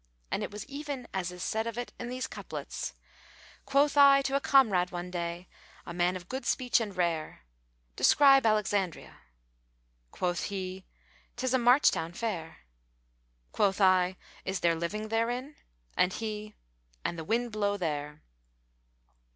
[FN#443] And it was even as is said of it in these couplets, "Quoth I to a comrade one day, * A man of good speech and rare, 'Describe Alexandria.' * Quoth he, 'Tis a march town fair.' Quoth I, 'Is there living therein?' * And he, 'An the wind blow there.'"